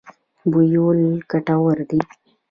بویول ګټور دی.